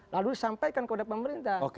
lalu disampaikan kepada pemerintah